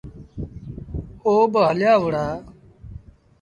او با هليآ وُهڙآ۔